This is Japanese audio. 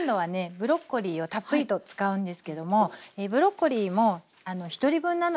ブロッコリーをたっぷりと使うんですけどもブロッコリーも１人分なのでね